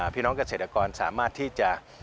พี่น้องเกษตรกรสามารถที่จะ